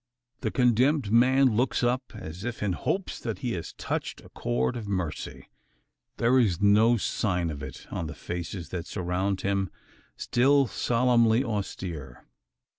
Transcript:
The condemned man looks up, as if in hopes that he has touched a chord of mercy. There is no sign of it, on the faces that surround him still solemnly austere.